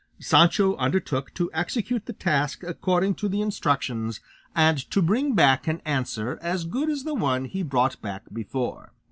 Sancho undertook to execute the task according to the instructions, and to bring back an answer as good as the one he brought back before.